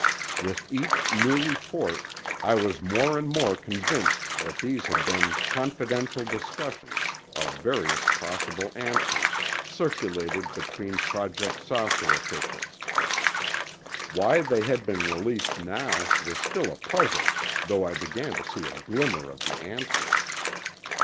With each new report, I was more and more convinced that these had been confidential discussions of various possible answers, circulated between Project "Saucer" officials. Why they had been released now was still a puzzle, though I began to see a glimmer of the answer.